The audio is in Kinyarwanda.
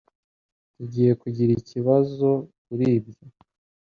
Tugiye kugira ikibazo kuri ibyo?